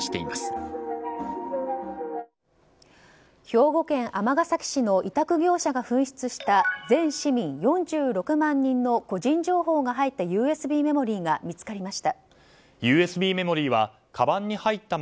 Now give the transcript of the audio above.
兵庫県尼崎市の委託業者が紛失した全市民４６万人の個人情報が入ったＵＳＢメモリーが見つかりました。